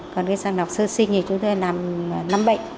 còn cái trang đọc sơ sinh thì chúng tôi làm năm bệnh